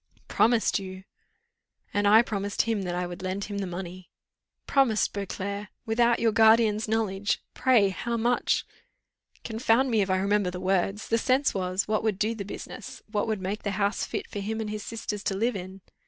"Promised you!" "And I promised him that I would lend him the money." "Promised! Beauclerc? Without your guardian's knowledge? Pray, how much " "Confound me, if I remember the words. The sense was, what would do the business; what would make the house fit for him and his sisters to live in."